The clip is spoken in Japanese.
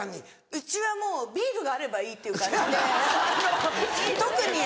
うちはもうビールがあればいいっていう感じで特に。